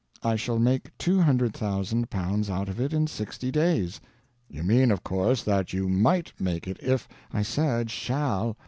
"I shall make two hundred thousand pounds out of it in sixty days." "You mean, of course, that you might make it if " "I said 'shall'."